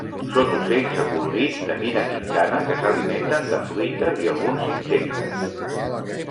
Són ocells acolorits, de mida mitjana, que s'alimenten de fruites i alguns insectes.